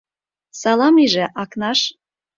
— Салам лийже, Акнаш!